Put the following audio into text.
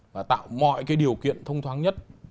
và tạo mọi cái điều kiện thông thoáng nhất